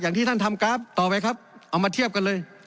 อย่างที่ท่านทำกราฟต่อไปครับเอามาเทียบกันเลย